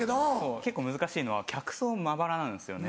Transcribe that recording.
結構難しいのは客層もまばらなんですよね。